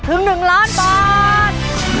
ถึงหนึ่งล้านบาท